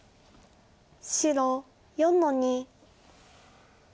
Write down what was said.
白４の二。